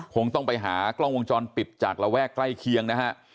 คงต้องไปหากล้องวงจรปิดจากระแวกใกล้เคียงนะฮะ